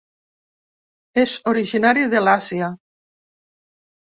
És originari de l'Àsia.